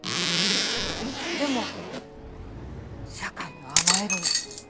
でも社会には甘えるな。